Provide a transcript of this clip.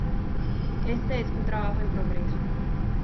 Este es un trabajo en progreso.